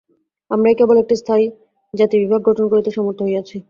আমরাই কেবল একটা স্থায়ী জাতিবিভাগ গঠন করিতে সমর্থ হইয়াছি।